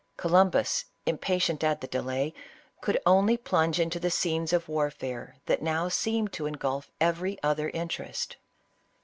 Columbus, im patient at the delay, could onty plunge into the scenes of warfare that now seemed to engulph every other interest.